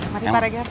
mari pak regar